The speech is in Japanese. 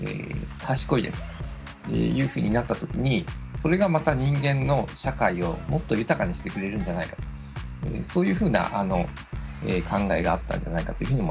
それがまた人間の社会をもっと豊かにしてくれるんじゃないかそういうふうな考えがあったんじゃないかというふうに思います。